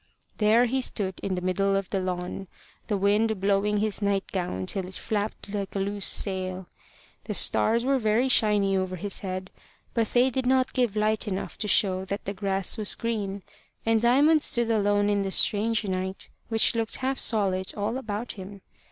There he stood in the middle of the lawn, the wind blowing his night gown till it flapped like a loose sail. The stars were very shiny over his head; but they did not give light enough to show that the grass was green; and Diamond stood alone in the strange night, which looked half solid all about him.